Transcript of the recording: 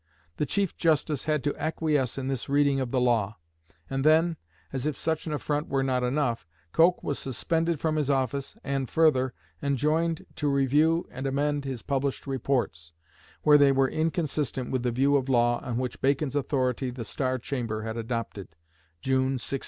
The Chief Justice had to acquiesce in this reading of the law; and then, as if such an affront were not enough, Coke was suspended from his office, and, further, enjoined to review and amend his published reports, where they were inconsistent with the view of law which on Bacon's authority the Star Chamber had adopted (June, 1616).